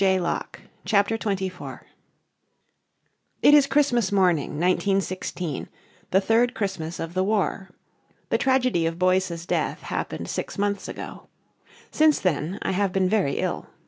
He's drowned." CHAPTER XXIV It is Christmas morning, 1916, the third Christmas of the war. The tragedy of Boyce's death happened six months ago. Since then I have been very ill.